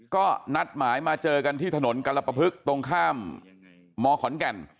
ก็นัดหมายมาเจอกันที่ถนนกรปภึกตรงข้ามมขอนแก่น